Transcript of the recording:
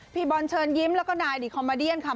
บอลเชิญยิ้มแล้วก็นายดิคอมมาเดียนค่ะ